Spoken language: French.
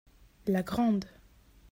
La grande.